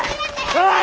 おい！